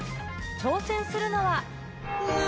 挑戦するのは。